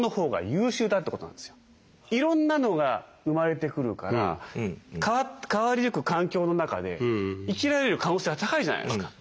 いろんなのが生まれてくるから変わりゆく環境の中で生きられる可能性が高いじゃないですか。